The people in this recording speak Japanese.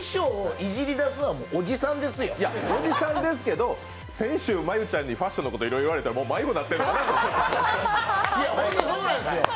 いや、おじさんですけど先週、真悠ちゃんにファッションのこといろいろ言われてもう迷子になってるよ。